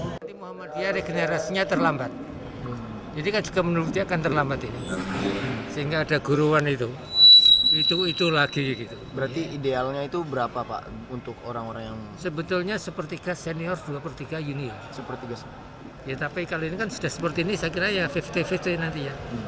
pemilihan yang tinggi saat tanwir anwar abbas menuduki periode baru yang cukup dikenal publik adalah mantan pimpinan kpk muhajir effendi